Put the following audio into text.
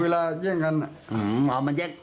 เวลาแย่งกัน